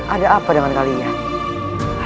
ada apa dengan kalian